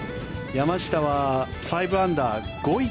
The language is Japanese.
山下は５アンダー５位